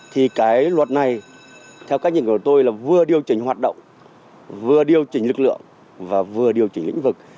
thì cái luật này theo cách nhìn của tôi là vừa điều chỉnh hoạt động vừa điều chỉnh lực lượng và vừa điều chỉnh lĩnh vực